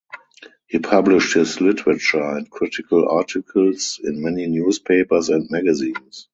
He published his literature and critical articles in many newspapers and magazines.